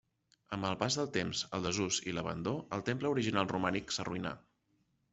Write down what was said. Amb el pas del temps, el desús i l'abandó, el temple original romànic s'arruïnà.